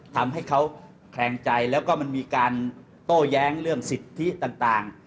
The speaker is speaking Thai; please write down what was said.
ทำให้เขาแคลงใจแล้วก็มันมีการโต้แย้งเรื่องสิทธิต่าง